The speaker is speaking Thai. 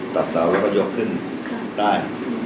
เสาแล้วก็ยกขึ้นได้